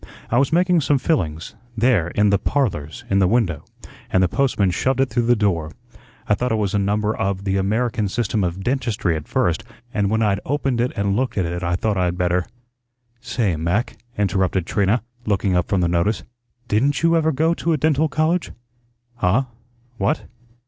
I was making some fillings there, in the 'Parlors,' in the window and the postman shoved it through the door. I thought it was a number of the 'American System of Dentistry' at first, and when I'd opened it and looked at it I thought I'd better " "Say, Mac," interrupted Trina, looking up from the notice, "DIDN'T you ever go to a dental college?" "Huh? What?